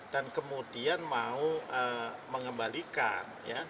dan kemudian mau mengembalikan